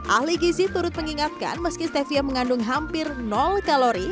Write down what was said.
ahli gizi turut mengingatkan meski stevia mengandung hampir kalori